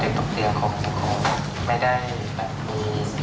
เด็กตกเตาคงไม่ได้แบบมี